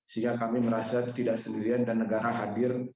sehingga kami merasa tidak sendirian dan negara hadir